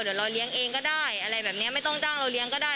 เดี๋ยวเราเลี้ยงเองก็ได้อะไรแบบนี้ไม่ต้องจ้างเราเลี้ยงก็ได้